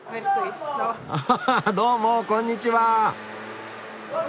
あはははどうもこんにちは。